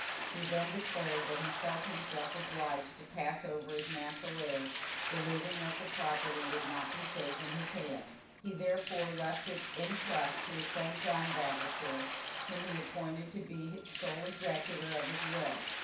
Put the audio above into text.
He then declared that he felt himself obliged to pass over his natural heir, believing that the property would not be safe in his hands; he therefore left it in trust to his son John Vavasor, whom he appointed to be sole executor of his will.